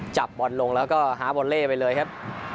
จับบอลลงแล้วก็ฮาวอลเล่ไปเลยครับ